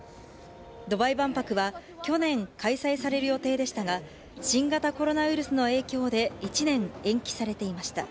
ドバイ万博は去年開催される予定でしたが、新型コロナウイルスの影響で、１年延期されていました。